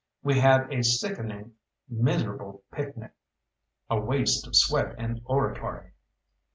We had a sickening miserable picnic, a waste of sweat and oratory.